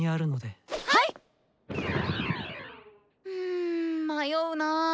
ん迷うなぁ。